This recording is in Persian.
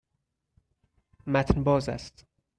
متن باز است.